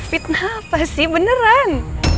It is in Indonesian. fitnah apa sih beneran